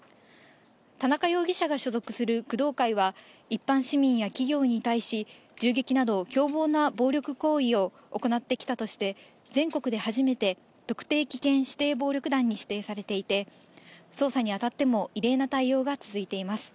田中容疑者が所属する工藤会は、一般市民や企業に対し、銃撃など凶暴な暴力行為を行ってきたとして、全国で初めて、特定危険指定暴力団に指定されていて、捜査にあたっても、異例な対応が続いています。